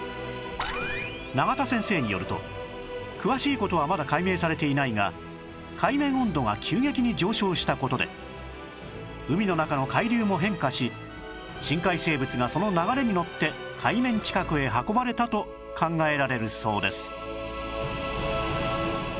永田先生によると詳しい事はまだ解明されていないが海面温度が急激に上昇した事で海の中の海流も変化し深海生物がその流れに乗って海面近くへ運ばれたと考えられるそうです